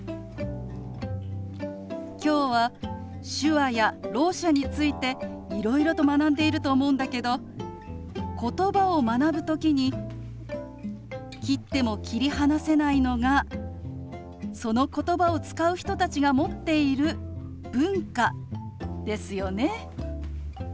今日は手話やろう者についていろいろと学んでいると思うんだけどことばを学ぶ時に切っても切り離せないのがそのことばを使う人たちが持っている文化ですよね。